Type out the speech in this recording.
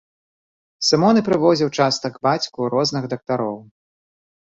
Сымон і прывозіў часта к бацьку розных дактароў.